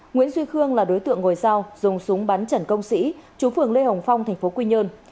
nguyễn duy khương là đối tượng ngồi sau dùng súng bắn trần công sĩ chú phường lê hồng phong tp quy nhơn